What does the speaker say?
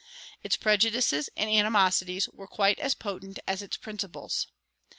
Its prejudices and animosities were quite as potent as its principles.